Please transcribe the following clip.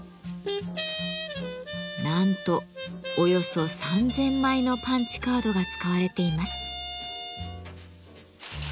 なんとおよそ３，０００枚のパンチカードが使われています。